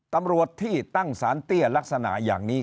ตำรวจที่ตั้งสารเตี้ยลักษณะอย่างนี้